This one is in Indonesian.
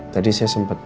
tadi saya sempet